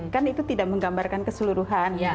kan itu tidak menggambarkan keseluruhan